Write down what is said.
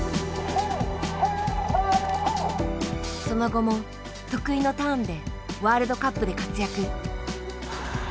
その後も得意のターンでワールドカップで活躍。